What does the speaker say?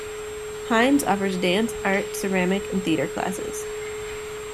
Hinds offers dance, art, ceramic, and theater classes.